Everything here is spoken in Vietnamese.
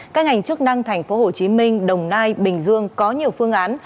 các ngành chức năng thành phố hồ chí minh đồng nai bình dương có nhiều phương án